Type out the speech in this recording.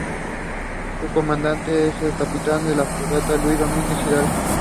Su Comandante es el Capitán de Fragata Luis Domínguez Hidalgo.